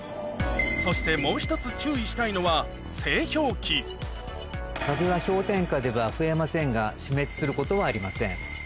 そしてもう１つ注意したいのはカビは氷点下では増えませんが死滅することはありません。